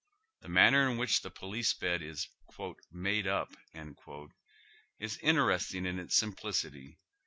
Tlie manner in which this police bed is " made up " is interesting in its simplicity.